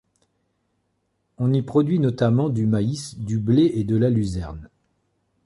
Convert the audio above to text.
On y produit notamment du maïs, du blé et de la luzerne.